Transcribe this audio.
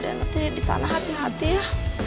den nanti disana hati hati ya